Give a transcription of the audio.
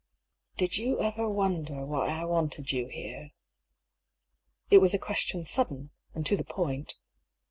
" Did you ever wonder why I wanted you here ?" It was a question, sudden, and to the point.